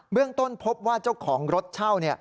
เรื่องต้นพบว่าเจ้าของรถเช่า